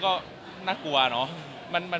คือแฟนคลับเขามีเด็กเยอะด้วย